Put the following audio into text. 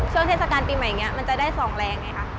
เทศกาลปีใหม่อย่างนี้มันจะได้๒แรงไงคะ